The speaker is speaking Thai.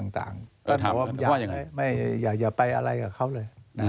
ต้านหัวว่าอย่าไปอะไรกับเขาเลย